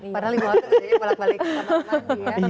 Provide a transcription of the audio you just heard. padahal ibu aja bolak balik